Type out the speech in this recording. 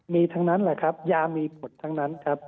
มีทั้งนั้นแหละครับยามีผลทั้งนั้นครับ